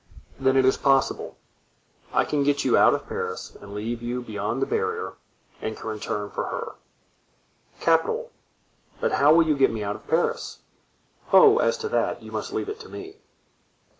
"Then it is possible. I can get you out of Paris and leave you beyond the barriere, and can return for her." "Capital; but how will you get me out of Paris?" "Oh! as to that, you must leave it to me."